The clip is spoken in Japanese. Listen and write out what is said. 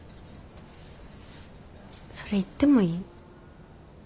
それ行ってもいい？